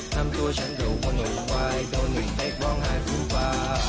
ทำตัวฉันเดาวงงไหวโดนหนึ่งแค่ว้องหาฟูปาย